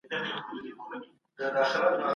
خپل فکر به یوازي په ابادۍ تمرکز کوئ.